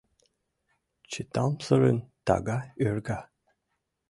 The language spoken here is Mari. Чытамсырын тага ӧрга